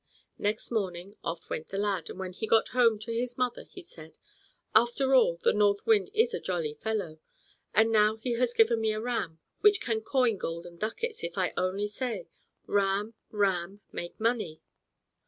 Next morning off went the lad; and when he got home to his mother he said: "After all, the North Wind is a jolly fellow; for now he has given me a ram which can coin golden ducats if I only say, 'Ram, ram! make money!'"